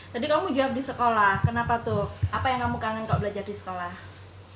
tadi kamu jawab di sekolah kenapa tuh apa yang kamu kangen kalau belajar di sekolah